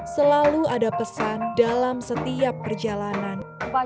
selalu ada pesan dalam setiap perjalanan